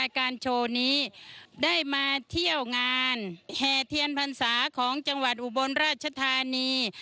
การโชว์นี้ได้มาเที่ยวงานแห่เทียนพรรษาของจังหวัดอุบลราชธานี